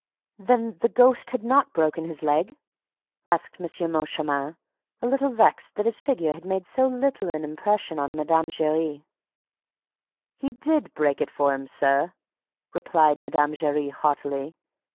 "Then the ghost had not broken his leg?" asked M. Moncharmin, a little vexed that his figure had made so little impression on Mme. Giry. "He did break it for him, sir," replied Mme. Giry haughtily.